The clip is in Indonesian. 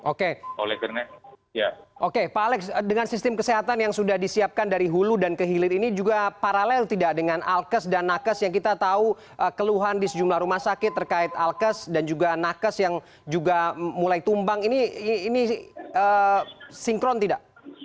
oke pak alex dengan sistem kesehatan yang sudah disiapkan dari hulu dan ke hilir ini juga paralel tidak dengan alkes dan nakes yang kita tahu keluhan di sejumlah rumah sakit terkait alkes dan juga nakes yang juga mulai tumbang ini sinkron tidak